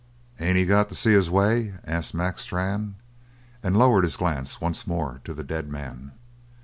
"Ain't he got to see his way?" asked Mac Strann, and lowered his glance once more to the dead man.